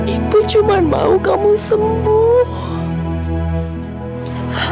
ibu cuma mau kamu sembuh